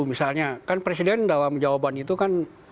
misalnya kan presiden dalam jawaban itu kan